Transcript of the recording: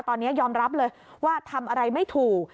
ตอนนี้ยอมรับเลยว่าทำอะไรไม่ถูก